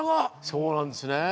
そうなんですね。